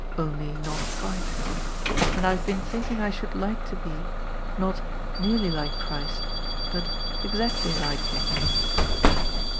Only not quite. And I have been think ing I should like to be, not * nearly like Christ,' but ' exactly like Him.'